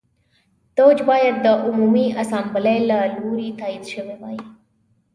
دوج باید د عمومي اسامبلې له لوري تایید شوی وای